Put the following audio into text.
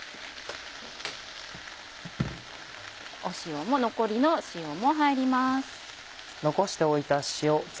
塩も残りの塩も入ります。